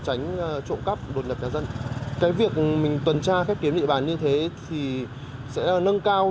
tránh trộm cắp đột nhập nhà dân cái việc mình tuần tra khép kín địa bàn như thế thì sẽ nâng cao